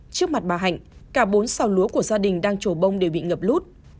trước mặt bà hạnh cả bốn xào lúa của gia đình đang trổ bông đều bị ngập lút